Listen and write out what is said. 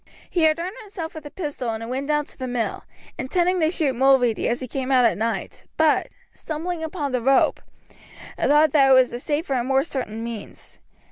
"He had armed himself with a pistol and went down to the mill, intending to shoot Mulready as he came out at night, but, stumbling upon the rope, thought that it was a safer and more certain means.